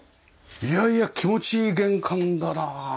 いやいや気持ちいい玄関だな。